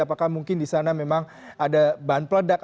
apakah mungkin disana memang ada bahan peledak